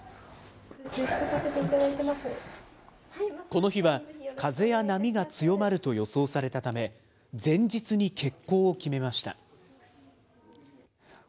この日は、風や波が強まると予想されたため、前日に欠航を決めました。